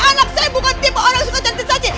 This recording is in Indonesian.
anak saya bukan tipe orang yang suka cari sensasi